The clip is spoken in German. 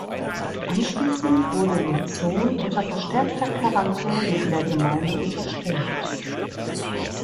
Anschließend wurde Luzon unter verstärkter Quarantäne in der Gemeinde unterstellt.